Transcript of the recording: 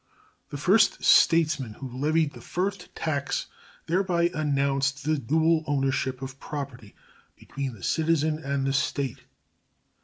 The first statesman who levied the first tax thereby announced the dual ownership of property between the citizen and the State.